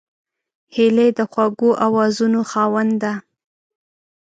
هیلۍ د خوږو آوازونو خاوند ده